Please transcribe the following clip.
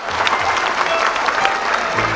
สวัสดีครับ